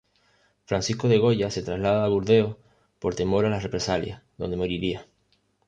Francisco de Goya se traslada a Burdeos por temor a las represalias, donde moriría.